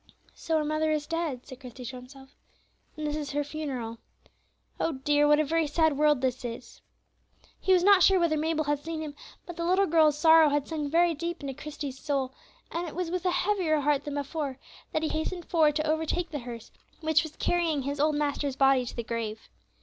"So her mother is dead!" said Christie to himself, "and this is her funeral! Oh, dear! what a very sad world this is!" He was not sure whether Mabel had seen him, but the little girl's sorrow had sunk very deep into Christie's soul, and it was with a heavier heart than before that he hastened forward to overtake the hearse which was carrying his old master's body to the grave.